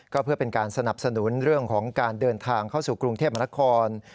ก็เพื่อเป็นการสนับสนุนเรื่องของการเดินทางเข้าสู่กรุงเทพมนาคม